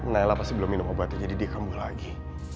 nailah pasti belum minum obatnya jadi dia kamu lagi